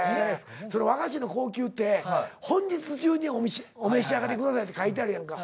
和菓子の高級って本日中にお召し上がりくださいって書いてあるやんか。